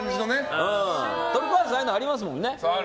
トルコアイスああいうのありますもんね。